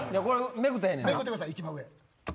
めくってください一番上。